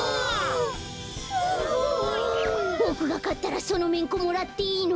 すごい！ボクがかったらそのめんこもらっていいの？